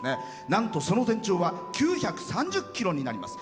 なんとその全長は９３０ｋｍになります。